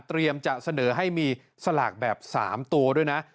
จะเสนอให้มีสลากแบบ๓ตัวด้วยนะ